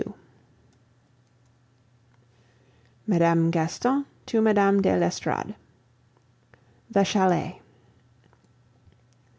MME. GASTON TO MME. DE L'ESTORADE The Chalet.